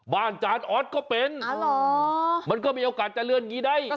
อาจารย์ออสก็เป็นมันก็มีโอกาสจะเลื่อนอย่างนี้ได้